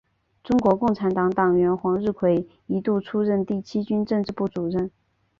中国共产党党员黄日葵一度出任第七军政治部主任。